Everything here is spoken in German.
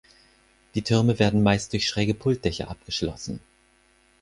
Die Türme werden meist durch schräge Pultdächer abgeschlossen.